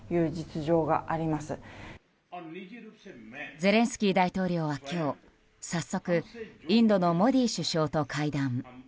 ゼレンスキー大統領は今日、早速インドのモディ首相と会談。